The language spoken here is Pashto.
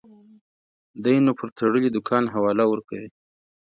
دى نو پر تړلي دوکان حواله ورکوي.